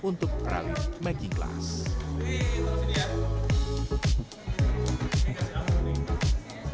untuk perali making class